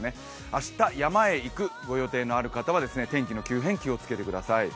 明日、山へ行くご予定のある方は天気の急変、気をつけてください。